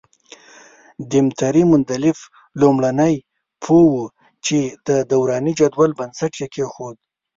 دیمتري مندلیف لومړنی پوه وو چې د دوراني جدول بنسټ یې کېښود.